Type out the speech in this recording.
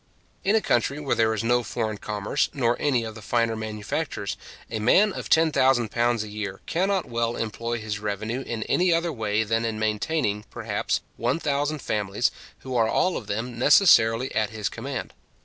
In a country where there is no foreign commerce, nor any of the finer manufactures, a man of £10,000 a year cannot well employ his revenue in any other way than in maintaining, perhaps, 1000 families, who are all of them necessarily at his command.